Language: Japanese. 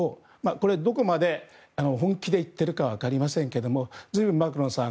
これ、どこまで本気で言っているかはわかりませんが随分、マクロンさん